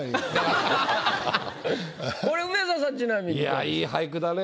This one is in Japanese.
いや良い俳句だね。